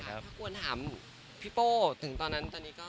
ถ้าควรถามพี่โป้ถึงตอนนั้นตอนนี้ก็